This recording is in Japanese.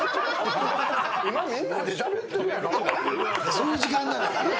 そういう時間なのよ。